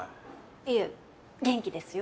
いえ元気ですよ。